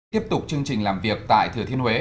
tiếp tục chương trình làm việc tại thừa thiên huế